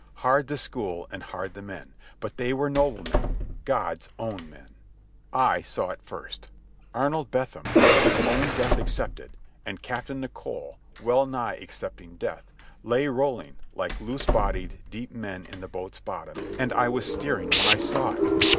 Hard the school, and hard the men, but they were noble men, God's own men. I saw it first. Arnold Bentham, his own death accepted, and Captain Nicholl, well nigh accepting death, lay rolling like loose bodied dead men in the boat's bottom, and I was steering when I saw it.